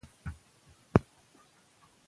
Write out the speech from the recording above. اقتصاد د اقتصادي پرمختګ پلانونه ارزوي.